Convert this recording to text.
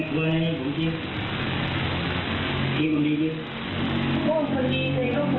พูดมาฉีก